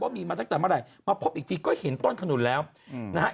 มีมาตั้งแต่เมื่อไหร่มาพบอีกทีก็เห็นต้นขนุนแล้วนะฮะ